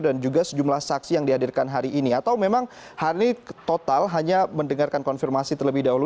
dan juga sejumlah saksi yang dihadirkan hari ini atau memang hari ini total hanya mendengarkan konfirmasi terlebih dahulu